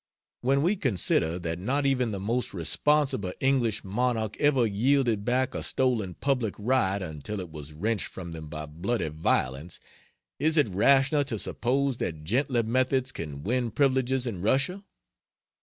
When we consider that not even the most responsible English monarch ever yielded back a stolen public right until it was wrenched from them by bloody violence, is it rational to suppose that gentler methods can win privileges in Russia?